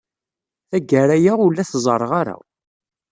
Tagara-a ur la t-ẓẓareɣ aṭas.